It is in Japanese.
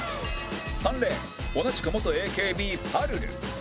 ３レーン同じく元 ＡＫＢ ぱるる